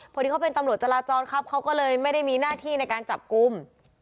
พอดีเขาเป็นตำรวจจราจรครับเขาก็เลยไม่ได้มีหน้าที่ในการจับกลุ่ม